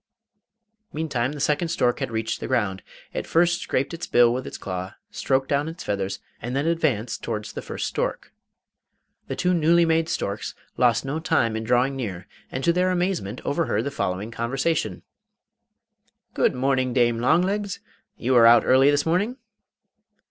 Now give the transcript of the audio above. Meantime the second stork had reached the ground. It first scraped its bill with its claw, stroked down its feathers, and then advanced towards the first stork. The two newly made storks lost no time in drawing near, and to their amazement overheard the following conversation: 'Good morning, Dame Longlegs. You are out early this morning!